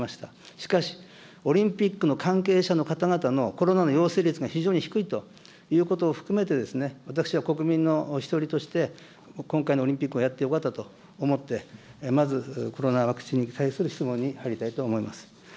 しかし、オリンピックの関係者の方々のコロナの陽性率が非常に低いということを含めてですね、私は国民の一人として今回のオリンピックはやってよかったと思って、まずコロナワクチンに対する質問に入りたいと思います。